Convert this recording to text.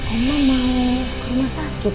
mama mau ke rumah sakit